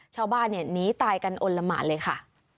ชาวบ้านเนี่ยหนีตายกันอ่นละหมาเลยค่ะ